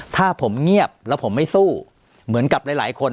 ถ้าผมเงียบแล้วผมไม่สู้เหมือนกับหลายคน